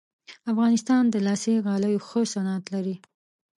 افغانستان د لاسي غالیو ښه صنعت لري